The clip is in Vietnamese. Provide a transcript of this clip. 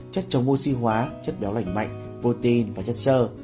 chất chống oxy hóa chất béo lạnh mạnh protein và chất sơ